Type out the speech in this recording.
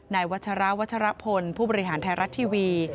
วัชราวัชรพลผู้บริหารไทยรัฐทีวี